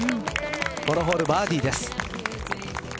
このホールバーディーです。